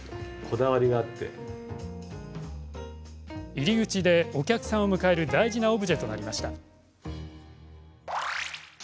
入り口でお客さんを迎える大事なオブジェとなりました。